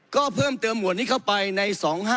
ก็เพิ่มเติมหมวดนี้เข้าไปใน๒๕๖